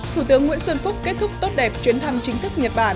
thủ tướng nguyễn xuân phúc kết thúc tốt đẹp chuyến thăm chính thức nhật bản